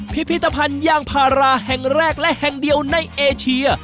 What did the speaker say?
พิพิธภัณฑ์ยางพาราแห่งแรกและแห่งเดียวในเอเชีย